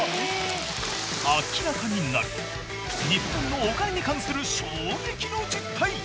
明らかになる日本のお金に関する衝撃の実態。